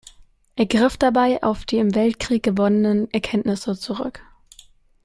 Er griff dabei auf die im Weltkrieg gewonnenen Erkenntnisse zurück.